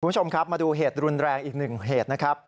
คุณผู้ชมครับมาดูเหตุรุนแรงอีกหนึ่งเหตุนะครับ